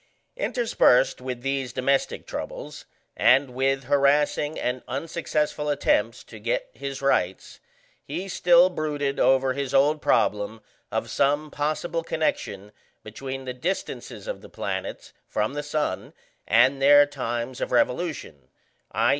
Interspersed with these domestic troubles, and with harassing and unsuccessful attempts to get his rights, he still brooded over his old problem of some possible connection between the distances of the planets from the sun and their times of revolution, _i.